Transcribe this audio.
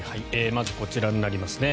まず、こちらになりますね。